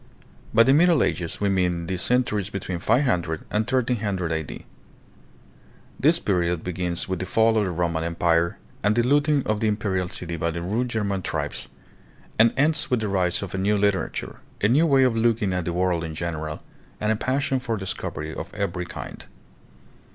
By the Middle Ages we mean the cen turies between 500 and 1300 A.D. This period begins with the fall of the Roman Empire and the looting of the Imperial City by the rude German tribes, and ends with the rise of a new literature, a new way of looking at the world in general, and a passion for discovery of every kind.